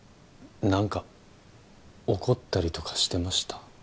何か怒ったりとかしてました？